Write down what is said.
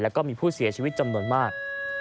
แล้วก็มีผู้เสียชีวิตจำนวนมาก